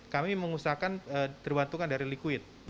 kami mengusahakan terbantukan dari liquid